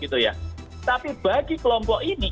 tapi bagi kelompok ini